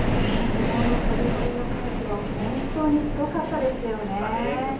昨日の飛込みの快挙は本当にすごかったですよね。